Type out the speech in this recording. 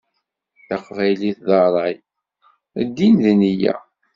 Taqbaylit d ṛṛay, ddin d neyya.